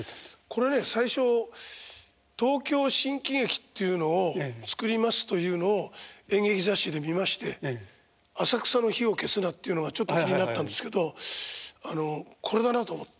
これね最初「東京新喜劇っていうのを作ります」というのを演劇雑誌で見まして浅草の灯を消すなっていうのがちょっと気になったんですけどあの「これだな」と思ってそこへ入ったんですよ。